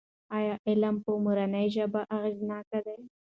ایا علم په مورنۍ ژبه اغېزناک دی؟